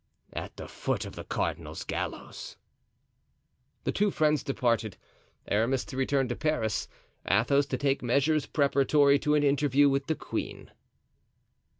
"At the foot of the cardinal's gallows." The two friends departed—Aramis to return to Paris, Athos to take measures preparatory to an interview with the queen.